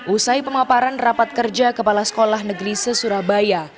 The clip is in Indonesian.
usai pemaparan rapat kerja kepala sekolah negeri se surabaya